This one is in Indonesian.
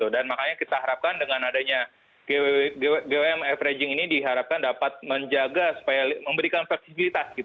dan makanya kita harapkan dengan adanya gwm averaging ini diharapkan dapat menjaga supaya memberikan versibilitas